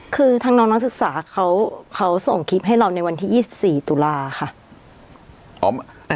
คือทางน้องนักศึกษาเขาส่งคลิปให้เราในวันที่๒๔ตุลาค่ะ